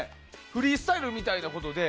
フリースタイルみたいなことで。